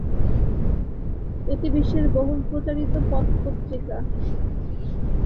এটি বিশ্বের বহুল প্রচারিত পথ পত্রিকা।